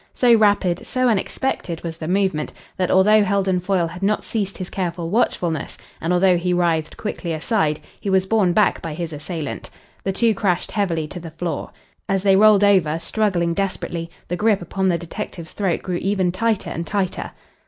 So rapid, so unexpected was the movement that, although Heldon Foyle had not ceased his careful watchfulness, and although he writhed quickly aside, he was borne back by his assailant. The two crashed heavily to the floor. As they rolled over, struggling desperately, the grip upon the detective's throat grew ever tighter and tighter.